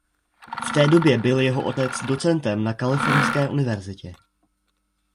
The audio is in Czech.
V té době byl jeho otec docentem na Kalifornské univerzitě.